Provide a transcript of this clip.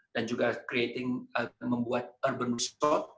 dan juga creating membuat urban resort